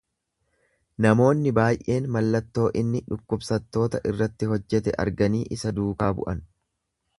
Namoonni baay’een mallattoo inni dhukkubsattoota irratti hojjete arganii isa duukaa bu’an.